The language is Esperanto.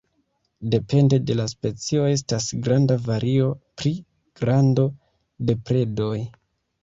Depende de la specio estas granda vario pri grando de predoj.